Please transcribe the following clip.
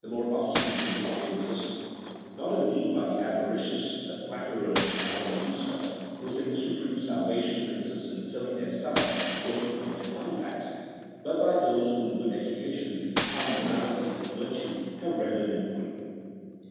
more obstinately are they resisted; not indeed by the avaricious, the flatterers, and other numskulls, who think supreme salvation consists in filling their stomachs and gloat ing over their money bags, but by those whom good educa tion, sound morality, and virtue have rendered more free.